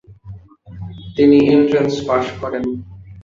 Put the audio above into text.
তিনি entrance pass করেন।